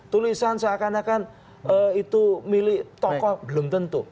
tulisan seakan akan itu milik tokoh belum tentu